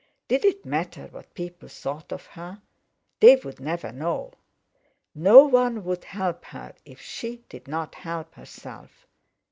Did it matter what people thought of her? They would never know! No one would help her if she did not help herself!